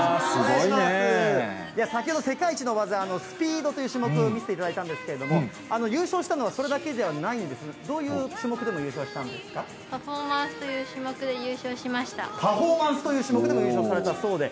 先ほど、世界一の技、スピードという種目を見せていただいたんですけれども、優勝したのはそれだけじゃないんです、どういう種目でも優勝したんですパフォーマンスという種目でパフォーマンスという種目でも優勝されたそうで。